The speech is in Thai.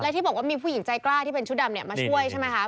ที่บอกว่ามีผู้หญิงใจกล้าที่เป็นชุดดำเนี่ยมาช่วยใช่ไหมคะ